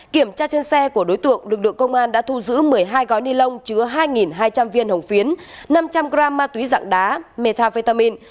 kiểm tra trên xe của đối tượng lực lượng công an đã thu giữ một mươi hai gói nilon chứa hai hai trăm linh viên hồng phiến năm trăm linh gram ma túy dạng đá methamphetamine